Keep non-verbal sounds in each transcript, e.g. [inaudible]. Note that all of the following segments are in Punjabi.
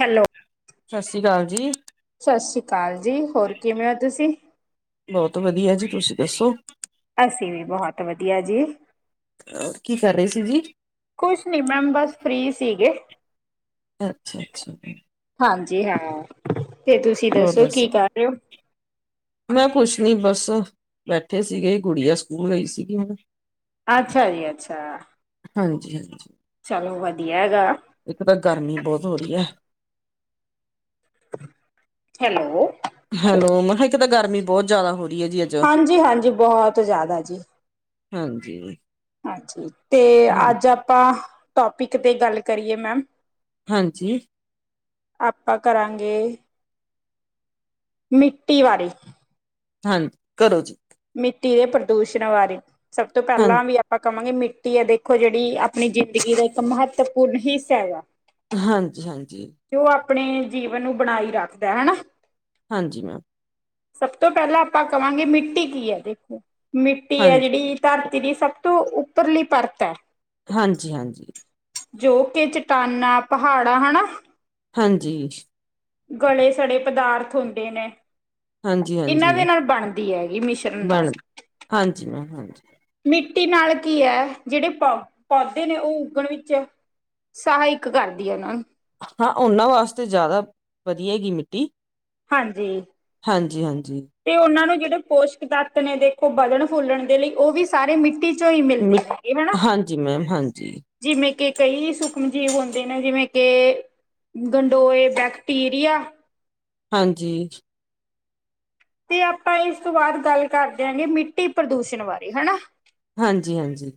ਹੈਲੋ ਸਾਸਰੀ ਕਾਲ ਜੀ। ਸਾਸਰੀ ਕਾਲ ਜੀ ਹੋਰ ਕਿਵੇਂ ਓ ਤੁਸੀਂ? ਬਹੁਤ ਵਧੀਆ ਜੀ ਤੁਸੀਂ ਦੱਸੋ? ਅਸੀਂ ਵੀ ਬਹੁਤ ਵਧੀਆ ਜੀ। ਕੀ ਕਰ ਰਹੇ ਸੀ ਜੀ? ਕੁਛ ਨੀ ਮੈਮ ਬਸ ਫਰੀ ਸੀਗੇ। ਅੱਛਾ-ਅੱਛਾ। ਹਾਂਜੀ ਹਾਂ, ਤੇ ਤੁਸੀਂ ਦੱਸੋ ਕੀ ਕਰ ਰਹੇ ਓ? ਮੈਂ ਕੁਛ ਨੀ ਬਸ, ਬੈਠੇ ਸੀਗੇ ਗੁੜੀਆ ਸਕੂਲ ਗਈ ਸੀਗੀ ਹੁਣ। ਅੱਛਾ ਜੀ ਅੱਛਾ। ਹਾਂਜੀ-ਹਾਂਜੀ। ਚਲੋ ਵਧੀਆ ਗਾ। ਇੱਕ ਤਾਂ ਗਰਮੀ ਬਹੁਤ ਹੋ ਰਹੀ ਏ। ਹੈਲੋ ਹੈਲੋ ਮੈਂ ਕਿਆ ਇੱਕ ਤਾਂ ਗਰਮੀ ਬਹੁਤ ਜਿਆਦਾ ਹੋ ਰਹੀ ਹੈ ਜੀ ਹਾਂਜੀ-ਹਾਂਜੀ ਬਹੁਤ ਜਿਆਦਾ ਜੀ। ਹਾਂਜੀ ਅੱਛਾ ਜੀ, ਤੇ ਹਾਂ ਅੱਜ ਆਪਾਂ ਟੋਪਿਕ ਤੇ ਗੱਲ ਕਰੀਏ ਮੈਮ। ਹਾਂਜੀ ਆਪਾਂ ਕਰਾਂਗੇ, ਮਿੱਟੀ ਬਾਰੇ। ਹਾਂਜੀ, ਕਰੋ ਜੀ। ਮਿੱਟੀ ਦੇ ਪ੍ਰਦੂਸ਼ਣ ਬਾਰੇ, ਸਭ ਤੋਂ ਹਾਂ ਪਹਿਲਾਂ ਵੀ ਆਪਾਂ। ਕਵਾਂਗੇ ਮਿੱਟੀ ਆ ਦੇਖੋ ਜਿਹੜੀ ਆਪਣੀ ਜ਼ਿੰਦਗੀ ਦਾ ਇੱਕ ਮਹੱਤਵਪੂਰਨ ਹਿੱਸਾ ਹੈਗਾ। ਹਾਂਜੀ-ਹਾਂਜੀ। ਉਹ ਆਪਣੇ ਜੀਵਨ ਨੂੰ ਬਣਾਈ ਰੱਖਦਾ ਹਨਾ। ਹਾਂਜੀ ਮੈਮ। ਸਭ ਤੋਂ ਪਹਿਲਾਂ ਆਪਾਂ ਕਵਾਂਗੇ ਮਿੱਟੀ ਕੀ ਹੈ ਦੇਖੋ, ਮਿੱਟੀ ਹੈ ਹਾਂਜੀ, ਜਿਹੜੀ ਧਰਤੀ ਦੀ ਸਭ ਤੋਂ ਉੱਪਰਲੀ ਪਰਤ ਐ। ਹਾਂਜੀ-ਹਾਂਜੀ। ਜੋ ਕਿ ਚਟਾਨਾ, ਪਹਾੜਾਂ ਹਨਾ। ਹਾਂਜੀ ਗਲੇ ਸਾਡੇ ਪਦਾਰਥ ਹੁੰਦੇ ਨੇ, ਇੰਨਾਂ ਹਾਂਜੀ-ਹਾਂਜੀ ਦੇ ਨਾਲ ਬਣਦੀ ਹੈਗੀ ਮਿਸ਼ਰਣ ਨਾਲ ਬਣ ਹਾਂਜੀ ਮੈਮ ਹਾਂਜੀ। ਮਿੱਟੀ ਨਾਲ ਕੀ ਹੈ ਜਿਹੜੇ ਪ ਪੌਦੇ ਨੇ ਉਹ ਉਗਣ ਵਿੱਚ ਸਹਾਇਕ ਕਰਦੀ ਹੈ ਇਹਨਾਂ ਨੂੰ ਹਾਂ ਉਹਨਾਂ ਵਾਸਤੇ ਜ਼ਿਆਦਾ ਵਧੀਆ ਗੀ ਮਿੱਟੀ, ਹਾਂਜੀ। ਹਾਂਜੀ, ਹਾਂਜੀ। ਤੇ ਉਹਨਾਂ ਨੂੰ ਜਿਹੜੇ ਪੋਸ਼ਕ ਤੱਤ ਨੇ ਦੇਖੋ ਬਲਣ ਫੁੱਲਣ ਦੇ ਲਈ ਉਹ ਵੀ ਸਾਰੇ ਮਿੱਟੀ ਚੋਂ ਹੀ ਮਿਲਦੇ ਮਿ ਨੇ ਗੇ ਹਨਾ, ਹਾਂਜੀ ਮੈਮ ਹਾਂਜੀ ਜਿਵੇਂ ਕਿ ਕਈ ਸੁਖਮ ਜੀਵ ਹੁੰਦੇ ਨੇ ਜਿਵੇਂ ਕਿ ਗੰਡੋਏ ਬੈਕਟੀਰੀਆ, ਹਾਂਜੀ ਹ ਤੇ ਆਪਾਂ ਇਸ ਤੋਂ ਬਾਅਦ ਗੱਲ ਕਰਦਿਆ ਗੇ ਮਿੱਟੀ ਪ੍ਰਦੂਸ਼ਣ ਬਾਰੇ ਹਨਾ। ਹਾਂਜੀ-ਹਾਂਜੀ।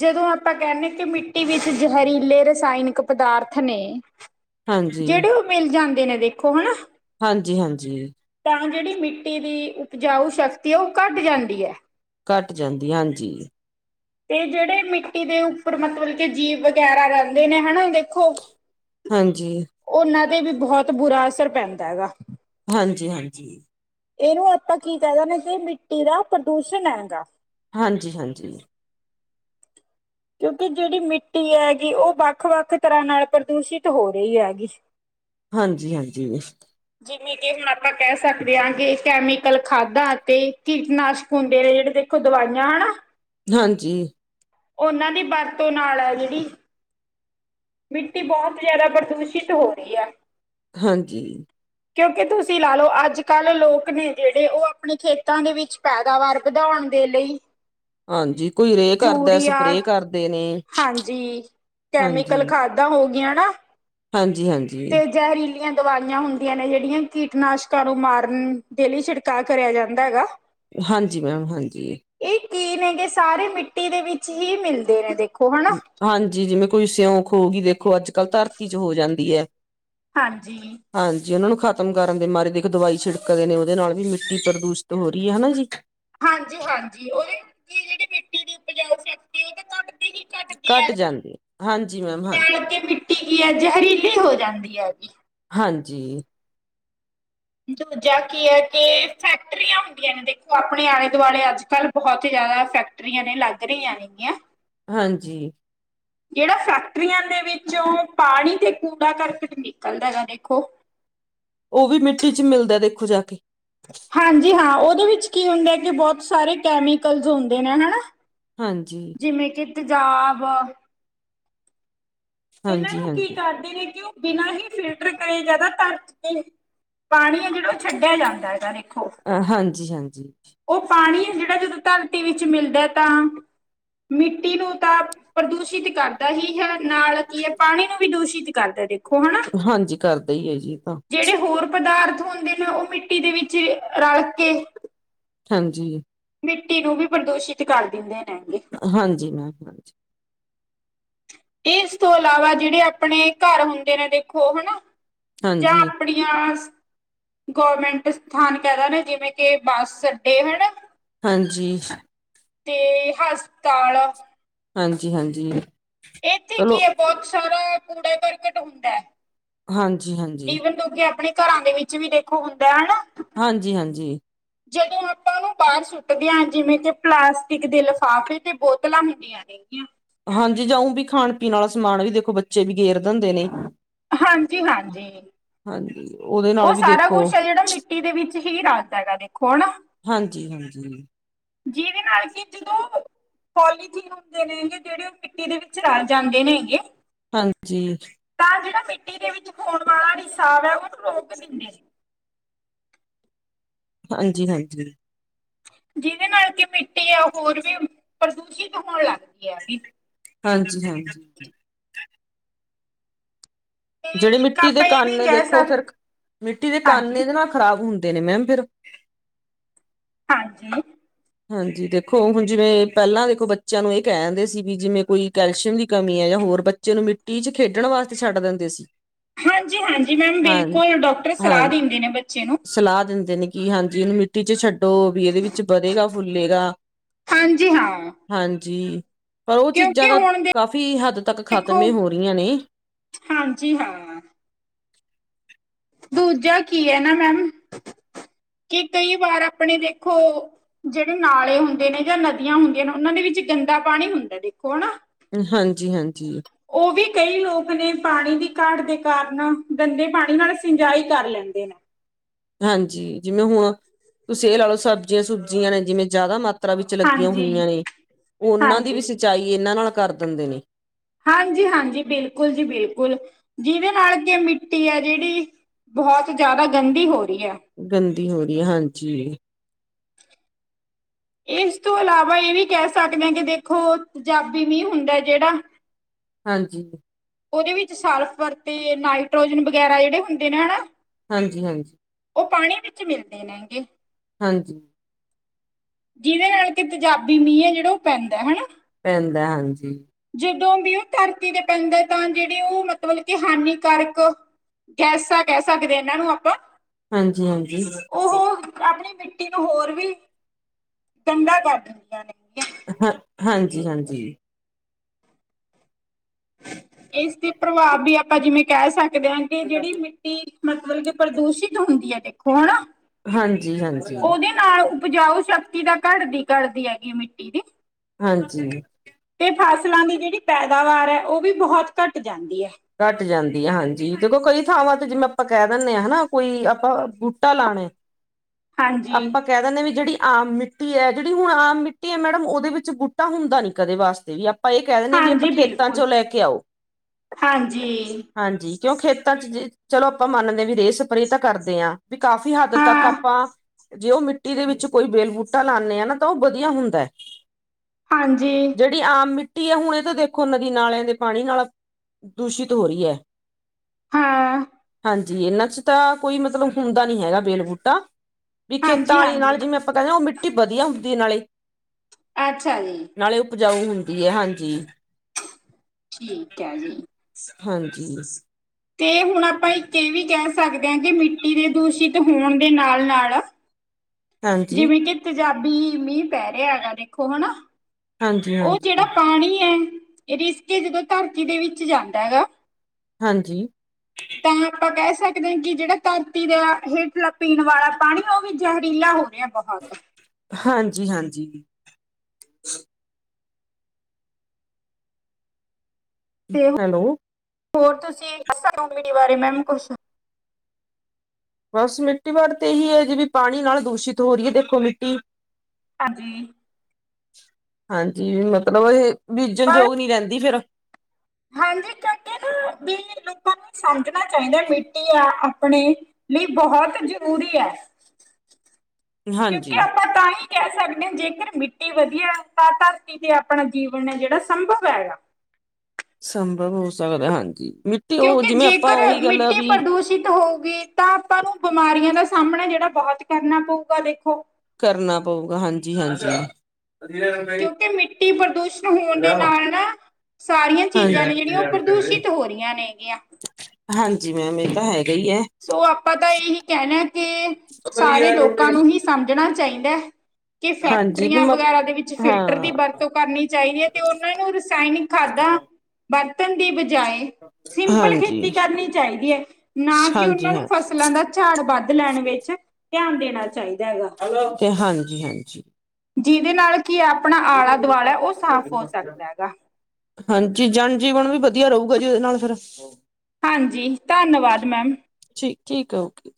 ਜਦੋਂ ਆਪਾਂ ਕਹਿੰਦੇ ਕਿ ਮਿੱਟੀ ਵਿੱਚ ਜ਼ਹਿਰੀਲੇ ਰਸਾਇਣਿਕ ਪਦਾਰਥ ਨੇ, ਹਾਂਜੀ ਜਿਹੜੇ ਉਹ ਮਿਲ ਜਾਂਦੇ ਨੇ ਦੇਖੋ ਹਨਾ। ਹਾਂਜੀ-ਹਾਂਜੀ। ਤਾਂ ਜਿਹੜੀ ਮਿੱਟੀ ਦੀ ਉਪਜਾਊ ਸ਼ਕਤੀ ਹੈ ਉਹ ਘੱਟ ਜਾਂਦੀ ਹੈ। ਘੱਟ ਜਾਂਦੀਆ, ਹਾਂਜੀ। ਤੇ ਜਿਹੜੇ ਮਿੱਟੀ ਦੇ ਉੱਪਰ ਮਤਲਬ ਕੇ ਜੀਭ ਵਗੈਰਾ ਰਹਿੰਦੇ ਨੇ ਹਨਾ ਦੇਖੋ, ਹਾਂਜੀ। ਉਹਨਾਂ ਤੇ ਵੀ ਬਹੁਤ ਬੁਰਾ ਅਸਰ ਪੈਂਦਾ ਗਾ। ਹਾਂਜੀ-ਹਾਂਜੀ। ਇਹਨੂੰ ਆਪਾਂ ਕੀ ਕਹਿ ਦਿੰਦੇ ਆ ਕਿ ਮਿੱਟੀ ਦਾ ਪ੍ਰਦੂਸ਼ਣ ਹੈਗਾ, ਹਾਂਜੀ-ਹਾਂਜੀ। ਕਿਉਂਕਿ ਜਿਹੜੀ ਮਿੱਟੀ ਹੈਗੀ ਉਹ ਵੱਖ ਵੱਖ ਤਰ੍ਹਾਂ ਨਾਲ ਪ੍ਰਦੂਸ਼ਿਤ ਹੋ ਰਹੀ ਹੈ ਗੀ। [inaudible] ਹਾਂਜੀ-ਹਾਂਜੀ। ਜਿਵੇਂ ਕਿ ਹੁਣ ਆਪਾਂ ਕਹਿ ਸਕਦੇ ਹਾਂ ਕਿ ਕੈਮੀਕਲ ਖਾਦਾਂ ਅਤੇ ਕੀਟਨਾਸ਼ਕ ਹੁੰਦੇ ਨੇ ਜਿਹੜੇ ਦੇਖੋ ਦਵਾਈਆਂ ਹਨਾ, ਹਾਂਜੀ। ਉਹਨਾਂ ਦੀ ਵਰਤੋਂ ਨਾਲ ਹੈ ਜਿਹੜੀ, ਮਿੱਟੀ ਬਹੁਤ ਜਿਆਦਾ ਪ੍ਰਦੂਸ਼ਿਤ ਹੋ ਰਹੀ ਹੈ। ਹਾਂਜੀ। ਕਿਉਂਕਿ ਤੁਸੀਂ ਲਾ ਲਓ ਅੱਜ ਕੱਲ੍ਹ ਲੋਕ ਨੇ ਜਿਹੜੇ ਉਹ ਆਪਣੇ ਖੇਤਾਂ ਦੇ ਵਿੱਚ, ਪੈਦਾਵਾਰ ਵਧਾਉਣ ਦੇ ਲਈ, ਹਾਂਜੀ, ਕੋਈ ਰੇ ਕਰਦਾ ਯੂਰੀਆ ਸਪਰੇਅ ਕਰਦੇ ਨੇ। ਹਾਂਜੀ, ਕੈਮੀਕਲ ਖਾਦਾਂ ਹੋ ਗਈਆਂ ਨਾ। ਹਾਂਜੀ-ਹਾਂਜੀ। ਤੇ ਜ਼ਹਿਰੀਲੀਆਂ ਦਵਾਈਆਂ ਹੁੰਦੀਆਂ ਨੇ ਜਿਹੜੀਆਂ ਕੀਟਨਾਸ਼ਕਾਂ ਨੂੰ ਮਾਰਨ ਦੇ ਲਈ ਛਿਡ- ਕਾ ਕਰਿਆ ਜਾਂਦਾ ਹੈਗਾ। ਹਾਂਜੀ ਮੈਮ ਹਾਂਜੀ। ਇਹ ਕੀ ਨੇਗੇ ਸਾਰੇ ਮਿੱਟੀ ਦੇ ਵਿੱਚ ਹੀ ਮਿਲਦੇ ਨੇ ਦੇਖ ਹਾਂਜੀ ਜਿਵੇਂ ਕੋਈ ਸਿਉਂਖ ਹੋ ਗਈ ਦੇਖੋ ਅੱਜ ਕੱਲ੍ਹ ਧਰਤੀ ਚ ਹੋ ਜਾਂਦੀ ਹੈ। ਹਾਂਜੀ। ਹਾਂਜੀ, ਉਹਨਾ ਨੂੰ ਖ਼ਤਮ ਕਰਨ ਦੇ ਮਾਰੀ ਦੇਖੋ ਦਵਾਈ ਛਿੜਕਦੇ ਨੇ ਉਹਦੇ ਨਾਲ ਵੀ ਮਿੱਟੀ ਪ੍ਰਦੂਸ਼ਿਤ ਹੋ ਰਹੀ ਹੈ ਹਨਾ ਜੀ। ਹਾਂਜੀ-ਹਾਂਜੀ ਉਹਦੇ ਕੀ ਜਿਹੜੀ ਮਿੱਟੀ ਦੀ ਉਪਜਾਊ ਸ਼ਕਤੀ ਉਹ ਤਾਂ ਤੁਹਾਡ ਘੱਟ ਜਾਂਦੀ, ਹਾਂਜੀ ਮੈਮ। ਹਾਂ ਨਾਲ ਮਿੱਟੀ ਕੀ ਹੈ? ਜ਼ਹਿਰੀਲੀ ਹੋ ਜਾਂਦੀ ਹੈ ਵੀ ਹਾਂਜੀ। ਦੂਜਾ ਕੀ ਐ, ਕੀ ਫੈਕਟਰੀਆਂ ਹੁੰਦੀਆਂ ਨੇ ਦੇਖੋ ਆਪਣੇ ਆਲੇ ਦੁਆਲੇ ਅੱਜਕਲ੍ਹ ਬਹੁਤ ਹੀ ਜਿਆਦਾ ਫੈਕਟਰੀਆਂ ਨੇ ਲੱਗ ਰਹੀਆਂ ਨੇਗੀਆਂ ਹਾਂਜੀ। [unintelligible] ਜੇੜਾ ਫੈਕਟਰੀਆਂ ਦੇ ਵਿੱਚੋ ਪਾਣੀ ਤੇ ਕੂੜਾ ਕਰਕੇ ਨਿਕਲਦਾਗਾ ਦੇਖੋ ਉਹ ਵੀ ਮਿੱਟੀ ਚ ਮਿੱਲਦਾ ਦੇਖੋ ਜਾ ਕੇ ਹਾਂਜੀ ਹਾਂ, ਓਦੇ ਵਿੱਚ ਕੀ ਹੁੰਦਾ ਕਿ ਬਹੁਤ ਸਾਰੇ ਕੈਮੀਕਲਸ ਹੁੰਦੇ ਨੇ ਹਨਾ ਹਾਂਜੀ ਜਿਵੇਂ ਕਿ ਤੇਜ਼ਾਬ ਏਨਾਂ ਹਾਂਜੀ ਨੂੰ ਕੀ ਹਾਂਜੀ ਕਰਦੇ ਨੇ, ਕਿ ਉਹ ਬਿਨਾਂ ਹੀ ਫਿਲਟਰ ਕਰੇ ਜਾਂਦਾ ਤਰ ਕੇ ਪਾਣੀ ਐ ਜੇੜਾ, ਉਹ ਛੱਡਿਆ ਜਾਂਦਾ ਹੈਗਾ ਦੇਖੋ ਹਾਂਜੀ-ਹਾਂਜੀ ਉਹ ਪਾਣੀ ਐ, ਜਿਹੜਾ ਜਦੋਂ ਧਰਤੀ ਵਿੱਚ ਮਿਲਦਾ ਤਾਂ ਮਿੱਟੀ ਨੂੰ ਤਾਂ ਪ੍ਰਦੂਸ਼ਿਤ ਕਰਦਾ ਹੀ ਹੈ। ਨਾਲ ਕੀ ਐ, ਪਾਣੀ ਨੂੰ ਵੀ ਦੂਸ਼ਿਤ ਕਰਦਾ ਦੇਖੋ ਹਨਾ ਹਾਂਜੀ ਕਰਦਾ ਹੀ ਹੈ ਜੀ ਇਹ ਤਾਂ ਜਿਹੜੇ ਹੋਰ ਪਦਾਰਥ ਹੁੰਦੇ ਨੇ, ਉਹ ਮਿੱਟੀ ਦੇ ਵਿੱਚ ਰਲ ਕੇ ਹਾਂਜੀ ਮਿੱਟੀ ਨੂੰ ਵੀ ਪ੍ਰਦੂਸ਼ਿਤ ਕਰ ਦਿੰਦੇ ਨੇਗੇ ਹਾਂਜੀ ਮੈਮ ਹਾਂਜੀ ਏ ਤੋਂ ਇਲਾਵਾ ਜਿਹੜੇ ਆਪਣੇ ਘਰ ਹੁੰਦੇ ਨੇ, ਦੇਖੋ ਹਨਾ ਜਾਂ ਹਾਂਜੀ ਆਪਣੀ ਗੌਰਮੈਂਟ ਸਥਾਨ ਕਹਿਦੇ, ਜਿਵੇਂ ਕਿ ਬੱਸ ਅੱਡੇ ਹੈ ਨਾ। ਹਾਂਜੀ ਤੇ ਹਸਪਤਾਲ ਹਾਂਜੀ-ਹਾਂਜੀ ਇੱਥੇ ਕੀ ਐ, ਬਹੁਤ ਸਾਰਾ ਕੂੜਾ ਕਰਕਟ ਹੁੰਦਾ ਹੈ। ਹਾਂਜੀ ਹਾਂਜੀ ਈਵਨ ਕਿਉਕ ਆਪਣੇ ਘਰਾਂ ਦੇ ਵਿੱਚ ਵੀ ਦੇਖੋ ਹੁੰਦਾ ਹਨਾ ਹਾਂਜੀ-ਹਾਂਜੀ ਜਦੋਂ ਆਪਾਂ ਓਨੂੰ ਬਾਰ ਸੁ ਸੁੱਟਦੇ ਆਂ, ਜਿਵੇਂ ਕਿ ਪਲਾਸਟਿਕ ਦੇ ਲਿਫਾਫੇ ਤੇ ਬੋਤਲਾਂ ਹੁੰਦੀਆਂ ਨੇਗੀਆਂ ਹਾਂਜੀ, ਜਾਂ ਉਹ ਵੀ ਖਾਣ-ਪੀਣ ਵਾਲਾ ਸਮਾਨ ਵੀ ਦੇਖੋ, ਬੱਚੇ ਵੀ ਗੇਰ ਦਿੰਦੇ ਨੇ ਹਾਂਜੀ-ਹਾਂਜੀ ਹਾਂਜੀ ਉਹਦੇ ਉਹ ਨਾਲ ਵੀ ਸਾਰਾ ਦੇਖੋ ਕੁਛ ਹੈ। ਜਿਹੜਾ ਮਿੱਟੀ ਦੇ ਵਿੱਚ ਹੀ ਰਲਦਾ ਗਾ ਦੇਖੋ ਹਨਾ ਹਾਂਜੀ-ਹਾਂਜੀ ਜੀਹਦੇ ਨਾਲ ਕਿ ਜਦੋਂ ਪੋਲੀਥੀਨ ਹੁੰਦੇ ਨੇ, ਹੈਗੇ ਜਿਹੜੇ ਉਹ ਮਿੱਟੀ ਦੇ ਵਿੱਚ ਰਲ ਜਾਂਦੇ ਨੇਗੇ ਹਾਂਜੀ ਤਾਂ ਜਿਹੜਾ ਮਿੱਟੀ ਦੇ ਵਿੱਚ ਹੋਣ ਵਾਲਾ ਰਿਸਾਵ ਹੈ। ਉਹਨੂੰ ਰੋਕ ਦਿੰਦੇ ਨੇ ਹਾਂਜੀ-ਹਾਂਜੀ ਜੀਹਦੇ ਨਾਲ ਕਿ ਮਿੱਟੀ ਆ ਹੋਰ ਵੀ ਪ੍ਰਦੂਸ਼ਿਤ ਹੋਣ ਲੱਗਦੀ ਹੈ ਵੀ ਹਾਂਜੀ-ਹਾਂਜੀ ਤੇ ਜਿਹੜੇ ਇੱਕ ਮਿੱਟੀ ਦੇ ਆਪਾਂ ਇਹ ਵੀ ਕੰਨ ਕਹਿ ਦੇਖੋ। ਫਿਰ ਸਕਦੇ ਮਿੱਟੀ ਦੇ ਕੰਨ ਹਾਂਜੀ ਏਦੇ ਨਾਲ ਖ਼ਰਾਬ ਹੁੰਦੇ ਨੇ, ਮੈਮ ਫਿਰ [unintelligible] ਹਾਂਜੀ। ਹਾਂਜੀ, ਦੇਖੋ ਹੁਣ ਜਿਵੇਂ ਪਹਿਲਾਂ ਦੇਖੋ ਬੱਚਿਆਂ ਨੂੰ ਇਹ ਕਹਿ ਦਿੰਦੇ ਸੀ, ਵੀ ਜਿਵੇਂ ਕੋਈ ਕੈਲਸ਼ੀਅਮ ਦੀ ਕਮੀ ਹੈ ਜਾਂ ਹੋਰ ਬੱਚੇ। ਜਦੋ ਮਿੱਟੀ ਚ ਖੇਡਣ ਵਾਸਤੇ ਛੱਡ ਦਿੰਦੇ ਸੀ। ਹਾਂਜੀ-ਹਾਂਜੀ ਮੈਮ ਹਾਂ ਬਿਲਕੁਲ ਡਾਕਟਰ ਹਾਂ ਸਲਾਹ ਦਿੰਦੇ ਨੇ ਬੱਚੇ ਨੂੰ। ਸਲਾਹ ਦਿੰਦੇ ਨੇ, ਕਿ ਹਾਂਜੀ ਇਹਨੂੰ ਮਿੱਟੀ ਚ ਛੱਡੋ ਵੀ, ਇਹਦੇ ਵਿੱਚ ਵਧੇਗਾ ਫੁੱਲੇਗਾ ਹਾਂਜੀ ਹਾਂ ਹਾਂਜੀ ਪਰ ਉਹ ਚੀਜ਼ਾਂ ਕਿਉਂਕਿ ਤਾਂ, ਹੁਣ ਕਾਫ਼ੀ ਹੱਦ ਤੱਕ ਖ਼ਤਮ ਦੇਖੋ ਈ ਹੋ ਰਹੀਆਂ ਨੇ। ਹਾਂਜੀ ਹਾਂ। ਦੂਜਾ ਕੀ ਹੈ ਨਾ ਮੈਮ, ਕਿ ਕਈ ਵਾਰ ਆਪਣੇ ਦੇਖੋ ਜਿਹੜੇ ਨਾਲੇ ਹੁੰਦੇ ਨੇ ਜਾਂ ਨਦੀਆਂ ਹੁੰਦੀਆਂ ਨੇ ਉਹਨਾਂ ਦੇ ਵਿੱਚ ਗੰਦਾ ਪਾਣੀ ਹੁੰਦਾ ਦੇਖੋ ਹਨਾ। ਹਾਂਜੀ-ਹਾਂਜੀ। ਉਹ ਵੀ ਕਈ ਲੋਕ ਨੇ ਪਾਣੀ ਦੀ ਘਾਟ ਦੇ ਕਾਰਨ, ਗੰਦੇ ਪਾਣੀ ਨਾਲ ਸਿੰਜਾਈ ਕਰ ਲੈਂਦੇ ਨੇ। ਹਾਂਜੀ, ਜਿਵੇਂ ਹੁਣ, ਤੁਸੀਂ ਇਹ ਲਾ ਲਓ ਸਬਜ਼ੀਆਂ-ਸੁਬਜ਼ੀਆਂ ਨੇ ਜਿਵੇਂ ਜ਼ਿਆਦਾ ਮਾਤ ਖੇਤਾਂ ਵਿੱਚ ਲੱਗੀਆਂ ਹਾਂਜੀ ਹੋਈਆਂ ਨੇ, ਉਹਨਾਂ ਦੀ ਵੀ ਹਾਂਜੀ ਸਿੰਚਾਈ ਇਹਨਾਂ ਨਾਲ ਕਰ ਦਿੰਦੇ ਨੇ। ਹਾਂਜੀ-ਹਾਂਜੀ, ਬਿਲਕੁਲ ਜੀ ਬਿਲਕੁਲ ਜਿਹਦੇ ਨਾਲ ਕਿ ਮਿੱਟੀ ਆ ਜਿਹੜੀ ਬਹੁਤ ਜਿਆਦਾ ਗੰਦੀ ਹੋ ਰਹੀ ਏ। ਗੰਦੀ ਹੋ ਰਹੀ ਹੈ ਹਾਂਜੀ। [unintelligible] ਇਸ ਤੋਂ ਇਲਾਵਾ ਇਹ ਵੀ ਕਹਿ ਸਕਦੇ ਹਾਂ ਕਿ ਦੇਖੋ ਪਤੇਜ਼ਾਬੀ ਮੀਂਹ ਹੁੰਦਾ ਜਿਹੜਾ ਹਾਂਜੀ। ਉਹਦੇ ਵਿੱਚ ਸਲਫਰ ਤੇ ਨਾਈਟ੍ਰੋਜਨ ਵਗੈਰਾ ਜਿਹੜੇ ਹੁੰਦੇ ਨੇ ਹਨਾ ਹਾਂਜੀ-ਹਾਂਜੀ। ਉਹ ਪਾਣੀ ਵਿੱਚ ਮਿਲਦੇ ਨੇ ਗੇ। ਹਾਂਜੀ। ਜਿਹਦੇ ਨਾਲ ਕਿ ਤੇਜ਼ਾਬੀ ਮੀਂਹ ਹੈ ਜਿਹੜਾ ਉਹ ਪੈਂਦਾ ਹਨਾ। ਪੈਂਦਾ ਹਾਂਜੀ। ਜਦੋਂ ਵੀ ਉਹ ਧਰਤੀ ਦੇ ਪੈਂਦਾ ਤਾਂ ਜਿਹੜੇ ਉਹ ਮਤਲਬ ਕਿ ਹਾਨੀਕਾਰਕ, ਗੈਸਾ ਕਹਿ ਸਕਦੇ ਹਾਂ ਇਹਨਾਂ ਨੂੰ ਆਪਾਂ। ਹਾਂਜੀ-ਹਾਂਜੀ। ਉਹ ਆਪਣੀ ਮਿੱਟੀ ਤੋਂ ਹੋਰ ਵੀ ਗੰਦਾ ਕਰ ਦਿੰਦੀਆਂ ਨੇ। ਹਾਂ, ਹਾਂਜੀ-ਹਾਂਜੀ। ਇਸ ਦੇ ਪ੍ਰਭਾਵ ਵੀ ਆਪਾਂ ਜਿਵੇਂ ਕਹਿ ਸਕਦੇ ਆ ਕਿ ਜਿਹੜੀ ਮਿੱਟੀ ਮਤਲਬ ਕਿ ਪ੍ਰਦੂਸ਼ਿਤ ਹੁੰਦੀ ਹੈ ਦੇਖੋ ਹਨਾ। ਹਾਂਜੀ-ਹਾਂਜੀ। ਉਹਦੇ ਨਾਲ ਉਪਜਾਊ ਸ਼ਕਤੀ ਤਾਂ ਘੱਟਦੀ-ਘੱਟਦੀ ਹੈਗੀ ਹੈ ਮਿੱਟੀ ਦੀ। ਹਾਂਜੀ। ਤੇ ਫ਼ਸਲਾਂ ਦੀ ਜਿਹੜੀ ਪੈਦਾਵਾਰ ਹੈ ਉਹ ਵੀ ਬਹੁਤ ਘੱਟ ਜਾਂਦੀ ਹੈ। ਘੱਟ ਜਾਂਦੀ ਆ ਹਾਂਜੀ ਦੇਖੋ ਕਈ ਥਾਵਾਂ ਤੇ ਜਿਵੇਂ ਆਪਾਂ ਕਹਿ ਦਿੰਦੇ ਹਾਂ ਹਨਾ ਕੋਈ ਆਪਾਂ ਬੂਟਾ ਲਾਣਾ [inaudible] ਹਾਂਜੀ ਆਪਾਂ ਕਹਿ ਦਿੰਨੇ ਵੀ ਜਿਹੜੀ ਆਮ ਮਿੱਟੀ ਹੈ ਜਿਹੜੀ ਹੁਣ ਆਮ ਮਿੱਟੀ ਹੈ ਮੈਡਮ ਉਹਦੇ ਵਿੱਚ ਬੂਟਾ ਹੁੰਦਾ ਨੀ ਕਦੇ ਵਾਸਤੇ ਵੀ। ਆਪਾਂ ਇਹ ਕਹਿ ਦਿੰਨੇ ਵੀ ਆਪਾਂ ਹਾਂਜੀ ਖੇਤਾਂ ਬਿਲਕੁਲ ਚੋਂ ਲੈ ਕੇ ਆਓ। ਹਾਂਜੀ। ਹਾਂਜੀ ਕਿਉਂ ਖੇਤਾਂ 'ਚ ਜ ਚਲੋ ਆਪਾਂ ਮੰਨਦੇ ਹਾਂ ਵੀ ਰੇਹ ਸਪਰੇ ਤਾਂ ਕਰਦੇ ਹਾਂ। ਵੀ ਕਾਫ਼ੀ ਹੱਦ ਤੱਕ ਹਾਂ ਆਪਾਂ ਜੇ ਉਹ ਮਿੱਟੀ ਦੇ ਵਿੱਚ ਕੋਈ ਬੇਲ ਬੂਟਾ ਲਾਨੇ ਆ ਨਾ ਤਾਂ ਉਹ ਵਧੀਆ ਹੁੰਦਾ। ਹਾਂਜੀ। ਜਿਹੜੀ ਆਮ ਮਿੱਟੀ ਹੈਂ ਹੁਣ ਇਹ ਤਾਂ ਦੇਖੋ ਨਦੀਂ ਨਾਲਿਆਂ ਦੇ ਪਾਣੀ ਨਾਲ਼ ਦੂਸ਼ਿਤ ਹੋ ਰਹੀ ਹੈ। ਹਾਂ ਹਾਂਜੀ ਇਹਨਾਂ ਚ ਤਾਂ ਕੋਈ ਮਤਲਬ ਹੁੰਦਾ ਨੀਂ ਹੈਗਾ ਬੇਲ ਬੂਟਾ, ਵੀ ਖੇਤਾਂ ਹਾਂਜੀ ਵਾਲ਼ੀ ਨਾਲ਼ ਹਾਂਜੀ ਜਿਵੇਂ ਆਪਾਂ ਕਹਿ ਦਿੰਨੇ ਉਹ ਮਿੱਟੀ ਵਧੀਆਂ ਹੁੰਦੀ ਨਾਲ਼ੇ। ਅੱਛਾ ਜੀ ਨਾਲੇ ਉਪਜਾਊ ਹੁੰਦੀ ਹੈ ਹਾਂਜੀ। ਠੀਕ ਹੈ ਜੀ। ਹਾਂਜੀ। ਤੇ ਹੁਣ ਆਪਾਂ ਇੱਕ ਇਹ ਵੀ ਕਹਿ ਸਕਦੇ ਹਾਂ, ਕਿ ਮਿੱਟੀ ਦੇ ਦੂਸ਼ਿਤ ਹੋਣ ਦੇ ਨਾਲ-ਨਾਲ। ਹਾਂਜੀ, ਜਿਵੇਂ ਕਿ ਤੇਜਾਬੀ ਮੀਂਹ ਪੈ ਰਿਹਾ ਹੈਗਾ ਦੇਖੋ ਹਨਾ। ਹਾਂਜੀ, ਉਹ ਜਿਹੜਾ ਪਾਣੀ ਹੈ, ਰਿਸ ਕੇ ਜਦੋਂ ਧਰਤੀ ਦੇ ਵਿੱਚ ਜਾਂਦਾ ਐ ਗਾ। ਹਾਂਜੀ। [unintelligible] ਤਾਂ ਆਪਾਂ ਕਹਿ ਸਕਦੇ ਹਾਂ ਕਿ, ਜਿਹੜਾ ਧਰਤੀ ਦਾ ਹੇਠਲਾ ਪੀਣ ਵਾਲਾ ਪਾਣੀ ਉਹ ਵੀ ਜ਼ਹਿਰੀਲਾ ਹੋ ਗਿਆਂ। [inaudible] ਹਾਂਜੀ-ਹਾਂਜੀ, ਤੇ ਹੈਲੋ, ਹੋਰ ਤੁਸੀ [inaudible] ਮੈਮ ਕੁਛ‌‌ ਬਸ ਮਿੱਟੀ ਵਟ ਤਾਂ ਇਹੀ ਹੈਂ ਜੀ, ਵੀ ਪਾਣੀ ਨਾਲ਼ ਦੂਸ਼ਿਤ ਹੋ ਰਹੀ ਹੈਂ ਦੇਖੋਂ ਮਿੱਟੀ ਹਾਂਜੀ, ਹਾਂਜੀ, ਮਤਲਬ ਇਹ ਬੀਜਣ ਪਰ ਜੋੋਗ ਨੀਂ ਰਹਿੰਦੀ ਫ਼ੇਰ ਹਾਂਜੀ, ਕਰਕੇ ਨਾ ਵੀ ਲੋਕਾਂ ਨੂੰ ਸਮਝਣਾਂ ਚਾਹੀਂਦਾ ਮਿੱਟੀ ਆ ਆਪਣੇਂ ਲਈ ਬਹੁਤ ਜ਼ਰੂਰੀ ਐ। ਕਿਉਂਕਿ ਹਾਂਜੀ ਆਪਾਂ ਤਾਂਹੀ ਕਹਿ ਸਕਦੇ ਹਾਂ ਜੇਕਰ ਮਿੱਟੀ ਵਧੀਆਂ ਤਾਂ ਧਰਤੀ ਤੇ ਆਪਣਾਂ ਜੀਵਨ ਹੈਂ, ਜਿਹੜਾਂ ਸੰਭਵ ਐ ਗਾ। ਸੰਭਵ ਹੋ ਸਕਦਾਂ, ਹਾਂਜੀ ਮਿੱਟੀ ਉਹ ਕਿਉਂਕਿ ਜਿਵੇਂ ਆਪਾਂ ਜ਼ੇਕਰ ਉਹੀ ਗੱਲ ਆ ਮਿੱਟੀ ਵੀ ਪ੍ਰਦੂਸ਼ਿਤ ਹੋਊਗੀ। ਤਾਂ ਆਪਾਂ ਨੂੰ ਬਿਮਾਰੀਆਂ ਦਾ ਸਾਹਮਣਾਂ ਜਿਹੜਾਂ ਬਹੁਤ ਕਰਨਾਂ ਪਊਗਾ ਦੇਖੋਂ। ਕਰਨਾਂ ਪਊਗਾ, ਹਾਂਜੀ-ਹਾਂਜੀ। [inaudible] ਕਿਉਂਕਿ ਮਿੱਟੀ ਪ੍ਰਦੂਸ਼ਣ ਹੋਂਣ ਦੇ ਨਾਲ਼ ਨਾਂ ਸਾਰੀਆਂ ਚੀਜ਼ਾਂ ਨੇਂ ਜਿਹੜੀਆਂ ਉਹ ਹਾਂਜੀ ਪ੍ਰਦੂਸ਼ਿਤ ਹੋ ਰਹੀਆਂ ਨੇਂ ਗੀਆਂ। ਹਾਂਜੀ, ਮੈਮ ਇਹ ਤਾਂ ਹੈਗਾ ਹੀ ਹੈਂ। ਸੋ ਆਪਾਂ ਤਾਂ ਇਹੀ ਕਹਿਣਾਂ ਕਿ ਸਾਰੇ ਲੋਕਾਂ ਨੂੰ ਹੀ ਸਮਝਣਾਂ ਚਾਹੀਂਦਾ। ਕਿ ਹਾਂਜੀ ਵੀ ਫ਼ੈਕਟਰੀਆਂ ਮ ਵਗ਼ੈਰਾ ਦੇ ਵਿੱਚ ਹਾਂ ਫਿਲਟਰ ਦੀ ਵਰਤੋਂ ਕਰਨੀਂ ਚਾਹੀਦੀ ਹੈਂ, ਤੇ ਉਹਨਾਂ ਨੂੰ ਰਸਾਇਣਿਕ [unintelligible] ਬਰਤਣ ਦੀ ਬਜ਼ਾਏ ਸਿੰਪਲ ਹਾਂਜੀ ਖ਼ੇਤੀ ਕਰਨੀਂ ਚਾਹੀਦੀ ਐ ਨਾ ਕਿ ਉਹਨਾਂ ਹਾਂਜੀ ਨੂੰ ਹਾਂ ਫਸਲਾਂ ਦਾ ਝਾੜ ਵੱਧ ਲੈਣ ਵਿੱਚ ਧਿਆਂਨ ਦੇਣਾਂ ਚਾਹੀਂਦਾ ਹੈਂਗਾ। ਤੇ ਹਾਂਜੀ-ਹਾਂਜੀ, ਜਿਹਦੇ ਨਾਲ ਕੀ ਆਪਣਾਂ ਆਲ਼ਾ-ਦੁਆਲਾ ਉਹ ਸਾਫ਼ ਹੋ ਸਕਦਾਂ ਏ ਗਾ। ਹਾਂਜੀ, ਜਨ ਜੀਵਨ ਵੀ ਵਧੀਆਂ ਰਹੇਂਗਾ, ਜੀ ਉਹਦੇ ਨਾਲ਼ ਫ਼ਿਰ ਹਾਂਜੀ ਧੰਨਵਾਦ ਮੈਮ, ਜੀ ਠੀਕ ਹੈਂ ਓਕੇ,